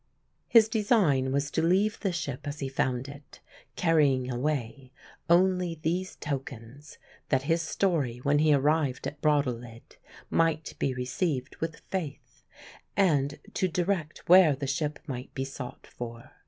His design was to leave the ship as he found it, carrying away only these tokens that his story, when he arrived at Brattahlid, might be received with faith; and to direct where the ship might be sought for.